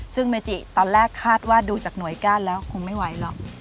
ซึ่งเมจิตอนแรกคาดว่าดูจากหน่วยก้านแล้วคงไม่ไหวหรอก